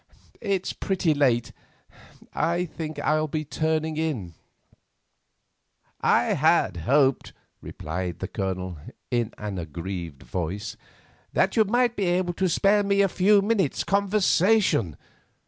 It is pretty late; I think I will be turning in." "I had hoped," replied the Colonel, in an aggrieved voice, "that you might have been able to spare me a few minutes' conversation.